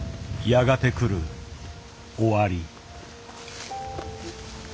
やがて来る終わり。